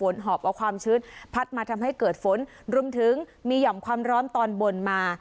โดยการติดต่อไปก็จะเกิดขึ้นการติดต่อไป